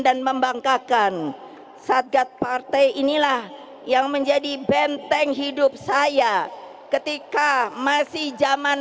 dan membangkakan satgas partai inilah yang menjadi benteng hidup saya ketika masih zaman